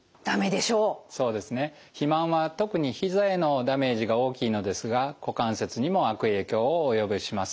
肥満は特にひざへのダメージが大きいのですが股関節にも悪影響を及ぼします。